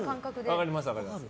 分かります、分かります。